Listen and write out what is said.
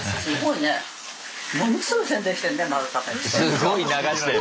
すごい流してる！